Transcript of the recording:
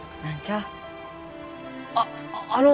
あっあの！